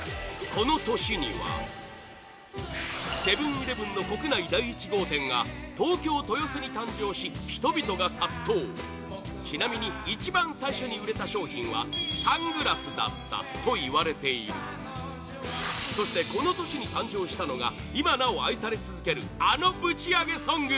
この年にはセブン‐イレブンの国内第１号店が東京・豊洲に誕生し人々が殺到ちなみに一番最初に売れた商品はサングラスだったといわれているそして、この年に誕生したのが今なお愛され続けるあのぶちアゲソング「ＨｅｙＨｅｙＨｅｙＨｅｙＨｅｙ」「ＨｅｙＨｅｙＨｅｙＨｅｙＨｅｙ」